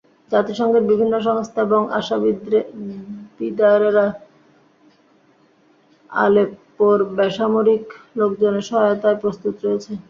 জাতিসংঘের বিভিন্ন সংস্থা এবং অংশীদারেরা আলেপ্পোর বেসামরিক লোকজনের সহায়তায় প্রস্তুত রয়েছে।